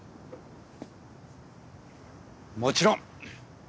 もちろん。